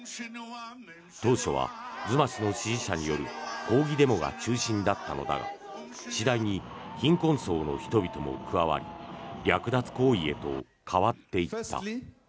当初はズマ氏の支持者による抗議デモが中心だったのだが次第に貧困層の人々も加わり略奪行為へと変わっていった。